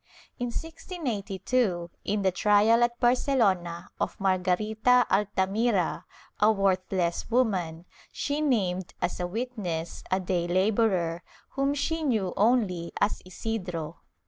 In 1682, in the trial at Barcelona of Margarita Altamira, a worth less woman, she named as a witness a day laborer whom she knew only as Isidro.